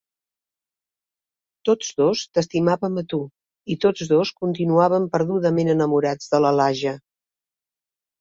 Tots dos t'estimàvem a tu i tots dos continuàvem perdudament enamorats de la Lahja.